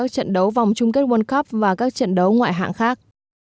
trận đấu vòng chung kết world cup và các trận đấu ngoại hạng khác